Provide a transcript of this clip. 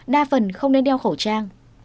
đa phần không nên đeo khẩu trang